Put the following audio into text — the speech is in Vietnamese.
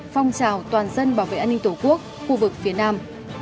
phong trào toàn dân bảo vệ an ninh tổ quốc khu vực phía nam